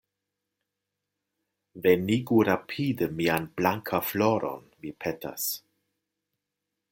Venigu rapide mian Blankafloron, mi petas.